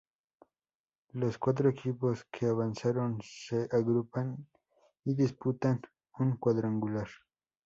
Los cuatro equipos que avanzaron se agrupan y disputan un cuadrangular.